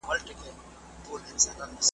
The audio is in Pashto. له منظور پښتین سره دي `